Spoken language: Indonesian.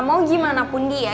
mau gimana pun dia